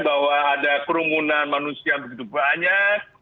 bahwa ada kerumunan manusia begitu banyak